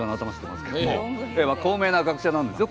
高名な学者なんですよ。